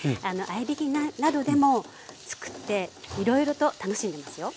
合いびきなどでも作っていろいろと楽しんでますよ。